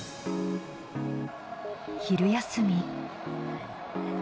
昼休み。